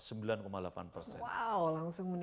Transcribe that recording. wow langsung meningkat ya